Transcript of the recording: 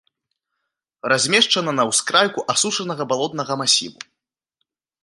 Размешчана на ўскрайку асушанага балотнага масіву.